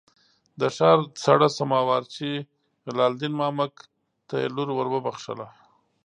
د ښار څړه سما وارچي لال دین مامک ته یې لور ور وبخښله.